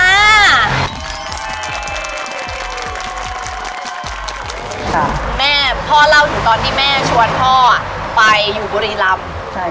คุณแม่พ่อเล่าถึงตอนที่แม่ชวนพ่อไปอยู่บุรีรำ